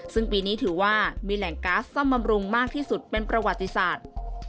ซึ่งปีนี้ถือว่ามีแหล่งก๊าซซ่อมบำรุงมากที่สุดเป็นประวัติศาสตร์